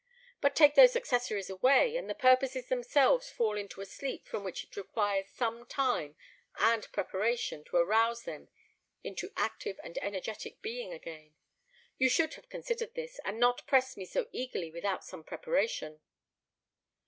But take those accessories away, and the purposes themselves fall into a sleep from which it requires some time and preparation to arouse them into active and energetic being again. You should have considered this, and not pressed me so eagerly without some preparation."